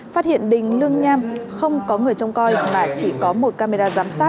phát hiện đình lương nham không có người trông coi mà chỉ có một camera giám sát